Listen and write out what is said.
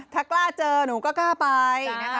ถ้ากล้าเจอหนูก็กล้าไปนะคะ